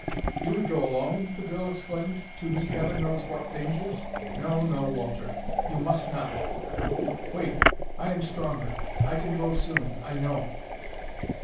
"You would go alone?" the girl exclaimed. "To meet heaven knows what dangers? No, no, Walter; you must not! Wait; I am stronger; I can go soon, I know."